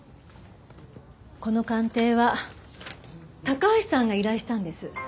この鑑定は高橋さんが依頼したんです。